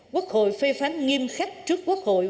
quốc hội phê phán nghiêm khắc trước quốc hội